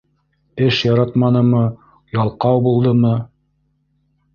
Эш яратманымы, ялҡау булдымы?